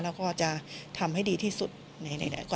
แล้วก็จะทำให้ดีที่สุดในกว่าต่อไปนะคะ